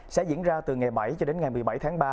sẽ diễn ra từ ngày bảy cho đến ngày một mươi bảy tháng ba